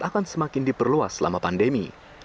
akan semakin diperluas selama pandemi